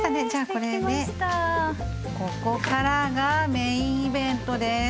ここからがメインイベントです。